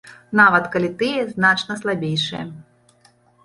Нават калі тыя значна слабейшыя.